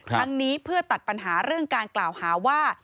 ทั้งนี้เพื่อตัดปัญหาเรื่องการกล่าวหาว่า